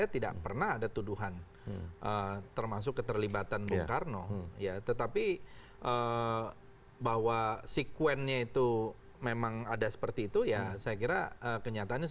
tidak pernah melakukan perbuatan tercelah